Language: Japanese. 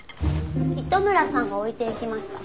糸村さんが置いていきました。